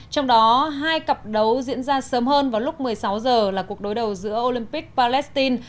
trong đó hai cặp đấu diễn ra sớm hơn vào lúc một mươi sáu h là cuộc đối đầu giữa olympic palestine